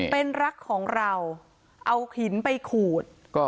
เป็นรักของเราเอาหินไปขูด